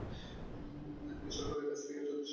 তিনি সরকারের কাছ থেকে যথেষ্ট অর্থ পাচ্ছেন না।